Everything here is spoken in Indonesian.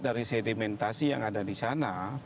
dari sedimentasi yang ada di sana